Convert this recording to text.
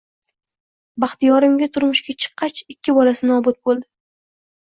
Baxtiyorimga turmushga chiqqach, ikki bolasi nobud boʻldi